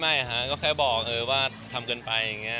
ไม่ค่ะก็แค่บอกว่าทำเกินไปอย่างนี้